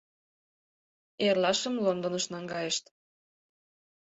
Эрлашым Лондоныш наҥгайышт.